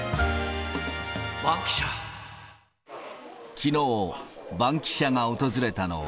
きのう、バンキシャが訪れたのは。